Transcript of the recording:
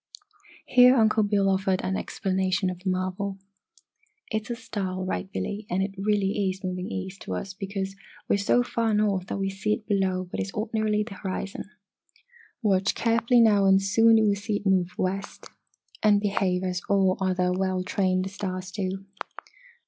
Here Uncle Bill offered an explanation of the marvel. "It's a star, all right, Billy, and it really is moving east to us because we are so far north that we see it below what is ordinarily the horizon! Watch carefully now, and soon you will see it move west and behave as all other well trained stars do."